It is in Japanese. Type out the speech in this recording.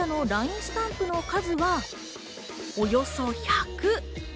スタンプの数は、およそ１００。